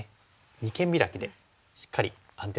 二間ビラキでしっかり安定させておきます。